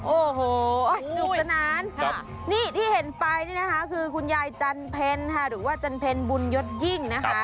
โอ้โหสนุกสนานนี่ที่เห็นไปนี่นะคะคือคุณยายจันเพ็ญค่ะหรือว่าจันเพ็ญบุญยศยิ่งนะคะ